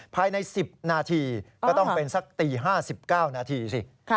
ภายใน๑๐นาทีก็ต้องเป็นสักตี๕๙นาทีสิ